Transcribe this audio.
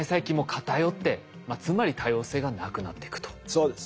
そうです。